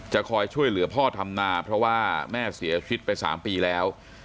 คอยช่วยเหลือพ่อทำนาเพราะว่าแม่เสียชีวิตไป๓ปีแล้ว